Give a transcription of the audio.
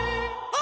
あ！